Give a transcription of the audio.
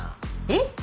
えっ？